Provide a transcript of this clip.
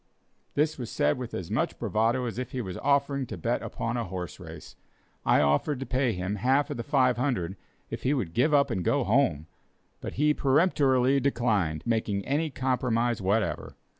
This was said with as much bravado as if he was offering to bet upon a horse race. I offered to pay him half of the $500 if he would give up and go home; but he peremptorily declined making any compromise whatever.